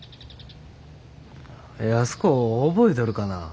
安子覚えとるかな？